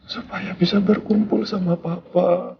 supaya bisa berkumpul sama papa